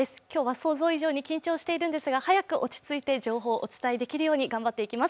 想像以上に緊張しているんですが、早く落ち着いて情報をお伝えできるように頑張っていきます。